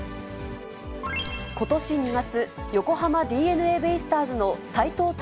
ことし２月、横浜ＤｅＮＡベイスターズの斎藤隆